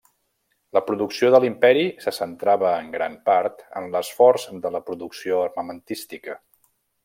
La producció de l'Imperi se centrava en gran part en l'esforç de la producció armamentística.